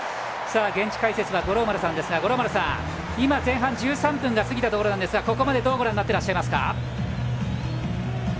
現地解説は五郎丸さんですが五郎丸さん、前半１３分が過ぎたところなんですがここまでどうご覧になっていますか。